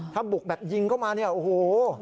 ถ้าบุกแบบยิงเข้ามานี่โห